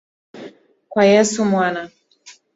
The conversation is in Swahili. Kwa Yesu Mwana.